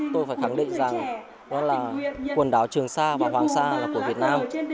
tôi phải khẳng định rằng đó là quần đảo trường sa và hoàng sa là của việt nam